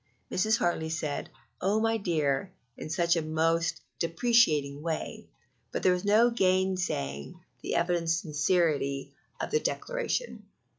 Mrs. Hartley said, "Oh, my dear!" in a most deprecating way; but there was no gainsaying the evident sincerity of the declaration.